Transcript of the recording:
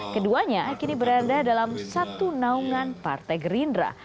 keduanya kini berada dalam satu naungan partai gerindra